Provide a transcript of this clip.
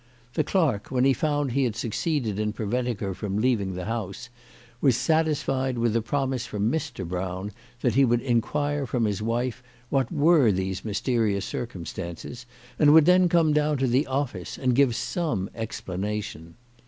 The clerk, when he found he had succeeded in preventing her from leaving the house, was satisfied with a promise from Mr. Brown that he would inquire from his wife what were these mysterious circumstances, and would then come down to the office and give some explanation.